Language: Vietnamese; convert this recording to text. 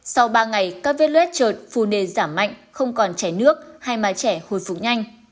sau ba ngày các vết lét trợt phù nề giảm mạnh không còn chảy nước hai má trẻ hồi phục nhanh